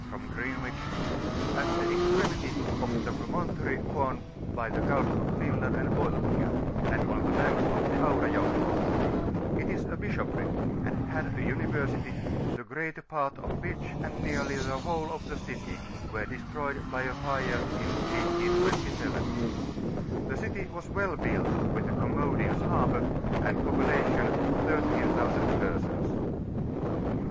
from Greenwich, at the extremity of the promontory formed by the Gulfs of Finland and Bothnia, and on the banks of the Aura Jocki ; it is a bishoprick, and had a University, the greater part of which, and nearl^jr the whole of the city, were destroyed by mre in 1827. The city was well built, with a commodious harbour, and a population of 13,000 persons.